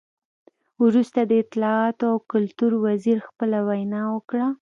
وروسته د اطلاعاتو او کلتور وزیر خپله وینا وکړه.